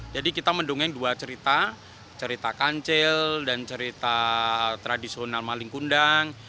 jadi kita mendongeng dua cerita cerita kancil dan cerita tradisional maling kundang